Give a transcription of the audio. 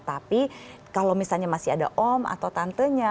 tapi kalau misalnya masih ada om atau tantenya